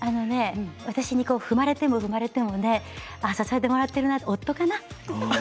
私に踏まれても踏まれても支えてもらっているのは夫かな。